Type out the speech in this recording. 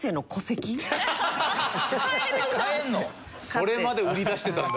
それまで売り出してたんだ。